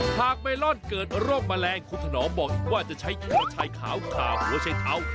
เมลอนเกิดโรคแมลงคุณถนอมบอกอีกว่าจะใช้กระชายขาวขาหัวชัยเท้า